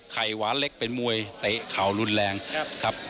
ไข่หวานเล็กเป็นมวยเตะเข่ารุนแรงครับ